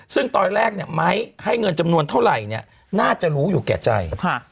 ซึ่งตอนแรกเนี่ยไม้ให้เงินจำนวนเท่าไหร่เนี่ยน่าจะรู้อยู่แก่ใจ